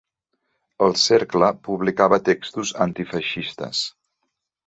El cercle publicava textos antifeixistes.